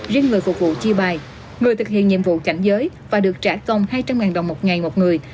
riêng người phục vụ chi bài người thực hiện nhiệm vụ cảnh giới và được trả công hai trăm linh đồng một ngày một người